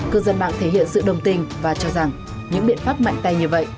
cư dân mạng thể hiện sự đồng tình và cho rằng những biện pháp mạnh tay như vậy